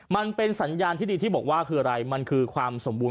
มันเป็นสัญญาณที่ดีที่บอกว่าคืออะไรมันคือความสมบูรณ